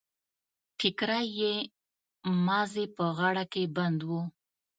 ټکری يې مازې په غاړه کې بند و.